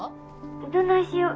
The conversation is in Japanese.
どないしよ。